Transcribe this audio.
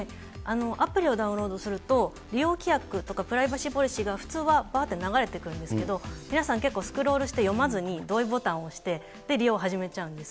アプリをダウンロードすると、利用規約とか、プライバシーポリシーが、普通はばーって流れてくるんですけど、皆さん、結構スクロールして読まずに、同意ボタンを押して利用を始めちゃうんです。